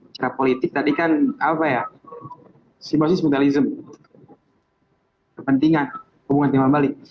cakap politik tadi kan apa ya simulasi sputalisme kepentingan hubungan teman teman